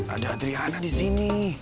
ada adriana di sini